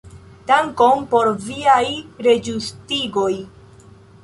Dankon por viaj reĝustigoj.